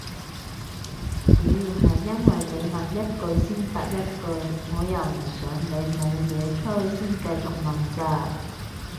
屌係因為你問一句先答一句我又唔想你冇嘢吹先繼續問咋